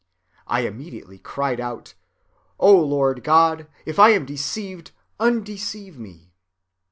I immediately cried out, O Lord God, if I am deceived, undeceive me.